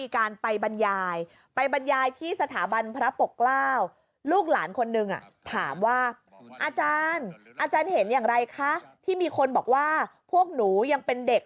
คิดเห็นอย่างไรคะที่มีคนบอกว่าพวกหนูยังเป็นเด็ก